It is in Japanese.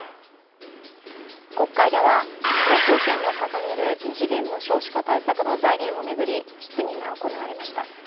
国会では、岸田政権の掲げる異次元の少子化対策の財源を巡り質疑が行われました。